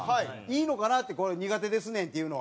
いいのかなってこれ苦手ですねんって言うのは。